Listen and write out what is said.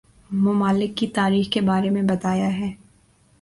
ممالک کی تاریخ کے بارے میں بتایا ہے